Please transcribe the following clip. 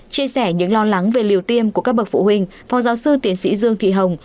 chia sẻ những lo lắng về liều tiêm của các bậc phụ huynh phó giáo sư tiến sĩ dương thị hồng